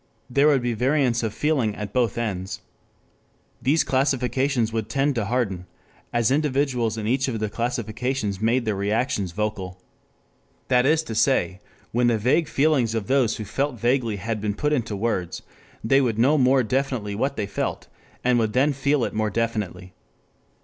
There would be variants of feeling at both ends. These classifications would tend to harden as individuals in each of the classifications made their reactions vocal. That is to say, when the vague feelings of those who felt vaguely had been put into words, they would know more definitely what they felt, and would then feel it more definitely.